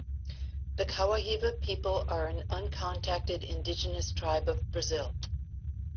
The Kawahiva people are an uncontacted indigenous tribe of Brazil.